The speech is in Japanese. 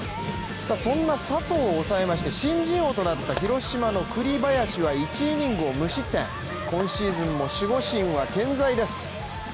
そんな佐藤を抑えまして新人王となった広島・栗林は１イニングを無失点、今シーズンも守護神は健在です。